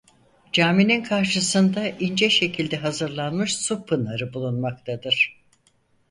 Caminin karşısında ince şekilde hazırlanmış su pınarı bulunmaktadır.